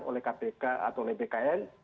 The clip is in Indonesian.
oleh kpk atau bkn